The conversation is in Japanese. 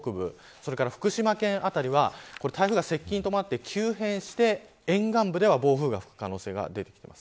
それから福島県辺りは台風が接近に伴って急変して沿岸部では暴風が吹く可能性が出てきます。